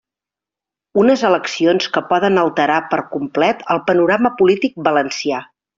Unes eleccions que poden alterar per complet el panorama polític valencià.